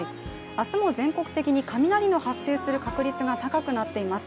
明日も全国的に雷の発生する確率が高くなっています。